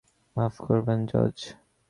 মাফ করবেন, জর্জ।